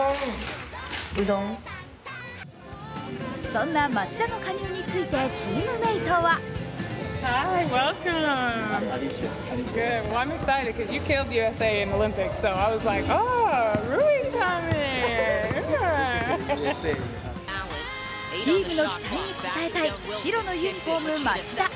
そんな町田の加入についてチームメートはチームの期待に応えたい白のユニフォーム・町田。